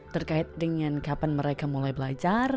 terkait dengan kapan mereka mulai belajar